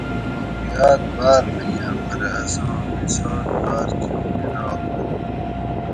واقعاۤت باۤر لنگاۤں پرہ اساں مثال بار کۤم میلا ھوئ